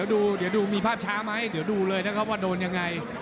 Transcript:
เดี๋ยวดูมีภาพช้าไหมเดี๋ยวดูเลยนะครับว่าโดนยังไง